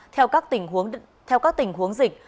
theo các tình huống dịch